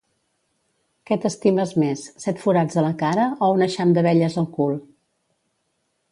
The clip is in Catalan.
Què t'estimes més: set forats a la cara o un eixam d'abelles al cul?